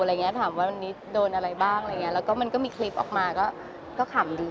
ถามว่าวันนี้โดนอะไรบ้างแล้วก็มันก็มีคลิปออกมาก็ขำดี